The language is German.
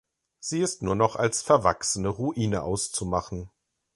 Sie ist nur noch als verwachsene Ruine auszumachen.